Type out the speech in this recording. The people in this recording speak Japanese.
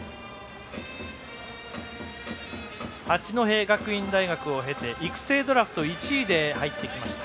八戸学院を経て育成ドラフト１位で入ってきました。